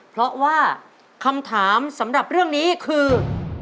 เพราะว่าคำถามสำหรับเรื่องนี้คือ